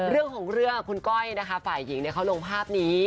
เรื่องของเรื่องคุณก้อยนะคะฝ่ายหญิงเขาลงภาพนี้